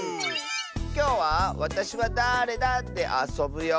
きょうは「わたしはだーれだ？」であそぶよ！